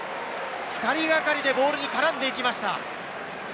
２人がかりでボールに絡んでいきました。